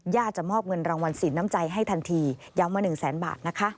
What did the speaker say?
จะมอบเงินรางวัลสินน้ำใจให้ทันทีย้ำว่า๑แสนบาทนะคะ